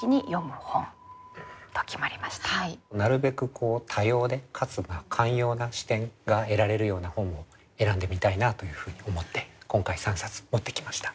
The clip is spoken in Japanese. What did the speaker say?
なるべく多様でかつ寛容な視点が得られるような本を選んでみたいなというふうに思って今回３冊持ってきました。